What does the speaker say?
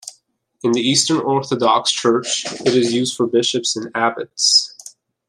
In the Eastern Orthodox Church it is used for bishops and abbots.